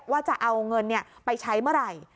ว่าจะเอาเงินไปใช้เมื่อไหร่